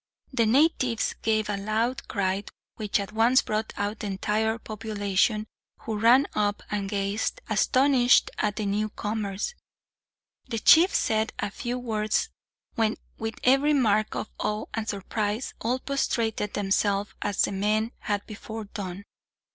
The natives gave a loud cry, which at once brought out the entire population, who ran up and gazed, astonished at the newcomers. The chief said a few words, when, with every mark of awe and surprise, all prostrated themselves as the men had before done.